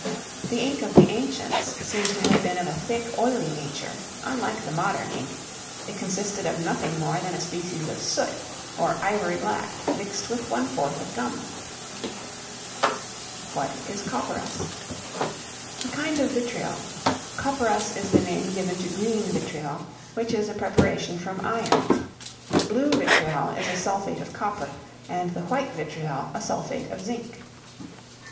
The ink of the ancients seems to have been of a thick, oily nature, unlike the modern ink; it consisted of nothing more than a species of soot, or ivory black, mixed with one fourth of gum. [Footnote 6: See Chapter XI.] What is Copperas? A kind of vitriol. Copperas is the name given to green vitriol, which is a preparation from iron. The blue vitriol is a sulphate of copper, and the white vitriol a sulphate of zinc.